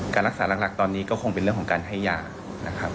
การรักษาหลักตอนนี้ก็คงเป็นเรื่องของให้ยา